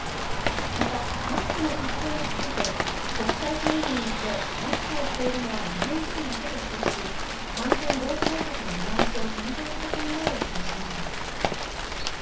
また、マスクの着用について国際会議に行ってマスクをしているのは日本人だけと指摘し、感染防止対策の見直しを検討する考えを示しました。